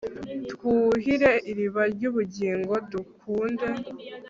twuhire iriba ry'ubugingo, dukunde